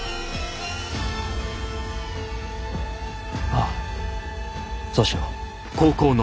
ああそうしよう。